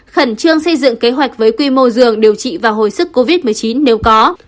khẩn trương xây dựng kế hoạch với quy mô giường điều trị và hồi sức covid một mươi chín nếu có